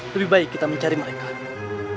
lebih baik kita mencari mereka gitu